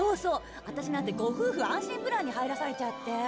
私なんて「ご夫婦安心プラン」に入らされちゃって。